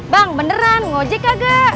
bang beneran ngojek kagak